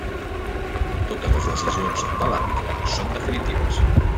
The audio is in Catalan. Totes les decisions de l'àrbitre són definitives.